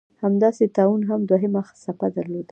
همداسې طاعون هم دوهمه څپه درلوده.